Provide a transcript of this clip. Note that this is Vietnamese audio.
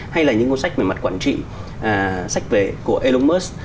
hay là những cuốn sách về mặt quản trị sách về của elon musk